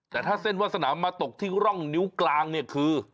แต่ถ้าเส้นวาสนามาตกที่ร่องนิ้วกลางเนี่ยคือ